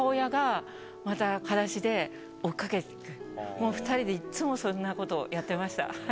もう２人でいつもそんなことをやってました。